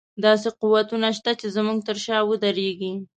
داسې قوتونه شته چې زموږ تر شا ودرېږي.